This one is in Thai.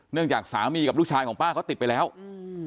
จากสามีกับลูกชายของป้าเขาติดไปแล้วอืม